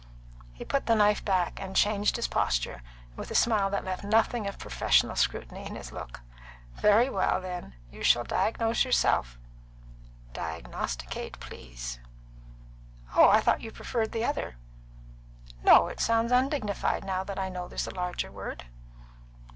He put the knife back and changed his posture, with a smile that left nothing of professional scrutiny in his look. "Very well, then; you shall diagnose yourself." "Diagnosticate, please." "Oh, I thought you preferred the other." "No, it sounds undignified, now that I know there's a larger word.